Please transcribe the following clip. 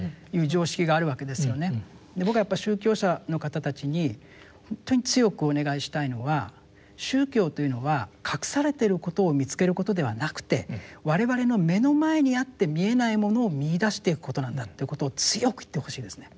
僕がやっぱり宗教者の方たちに本当に強くお願いしたいのは宗教というのは隠されていることを見つけることではなくて我々の目の前にあって見えないものを見いだしていくことなんだということを強く言ってほしいですね。